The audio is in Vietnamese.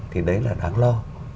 thì đấy là đáng lo